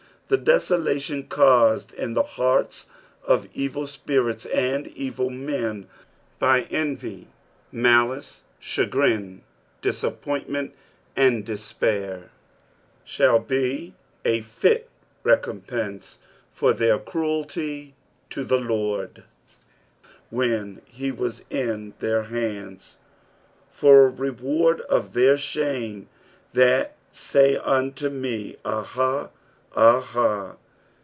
The desola tion caused in the hearia of evil spirits and evil men b; envy, malice, chagrin, disappointment, and despair, shall he a fit recompense for their cruelty to the Lord when he was in their hands. " For a Teicard of their tihame that lay unto m«. Aha, aha."